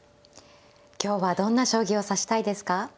今日はどんな将棋を指したいですか。